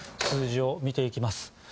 数字を見ていきます。